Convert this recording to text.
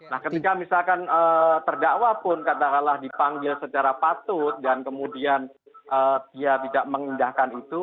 nah ketika misalkan terdakwa pun katakanlah dipanggil secara patut dan kemudian dia tidak mengindahkan itu